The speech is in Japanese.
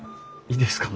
いいですか？